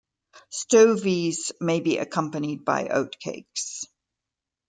Stovies may be accompanied by oatcakes.